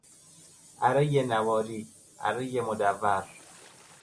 ارهی نواری، ارهی مدور